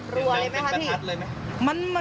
รวยไหมคะทีม